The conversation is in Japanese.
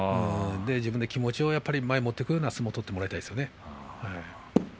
この人は気持ちを前に持っていくような相撲を取ってもらいたいですね。